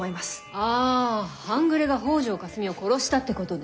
あぁ半グレが北條かすみを殺したってことね？